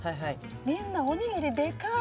みんなおにぎりでかい！